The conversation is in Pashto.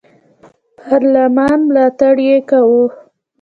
پارلمان ملاتړ یې کاوه.